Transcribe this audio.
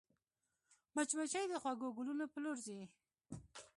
مچمچۍ د خوږو ګلونو پر لور ځي